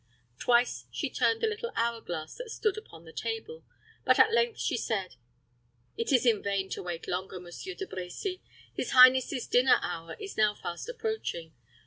Twice she turned the little hour glass that stood upon the table, but at length she said, "It is in vain to wait longer, Monsieur De Brecy. His highness's dinner hour is now fast approaching.